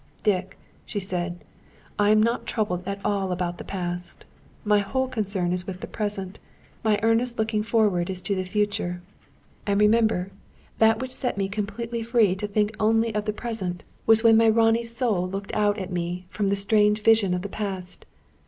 "Dick," she said, "I am not troubled at all about the past. My whole concern is with the present; my earnest looking forward is to the future. And remember, that which set me completely free to think only of the present, was when my Ronnie's soul looked out at me from that strange vision of the past.